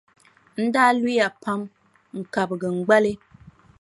N daa luya pam n-kabigi n gbali.